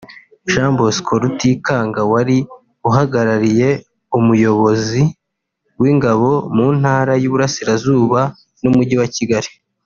Jean Bosco Rutikanga wari uhagarariye umuyobozi w’ingabo mu Ntara y’Iburasirazuba n’Umujyi wa Kigali